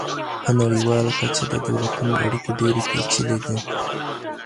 په نړيواله کچه د دولتونو اړيکې ډېرې پېچلې دي.